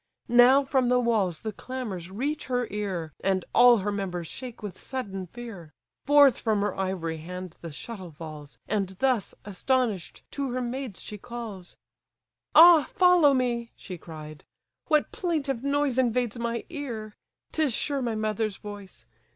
Now from the walls the clamours reach her ear, And all her members shake with sudden fear: Forth from her ivory hand the shuttle falls, And thus, astonish'd, to her maids she calls: THE BATH "Ah follow me! (she cried) what plaintive noise Invades my ear? 'Tis sure my mother's voice.